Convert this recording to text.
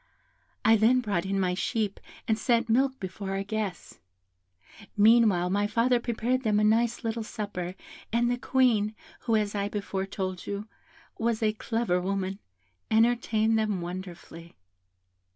I then brought in my sheep, and set milk before our guests. Meanwhile, my father prepared them a nice little supper, and the Queen, who, as I before told you, was a clever woman, entertained them wonderfully.